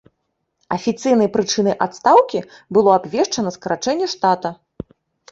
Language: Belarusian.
Афіцыйнай прычынай адстаўкі было абвешчана скарачэнне штата.